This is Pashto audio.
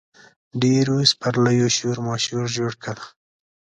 ډېرو سپرلیو شورماشور جوړ کړ.